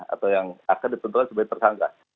atau yang akan ditentukan sebagai tersangka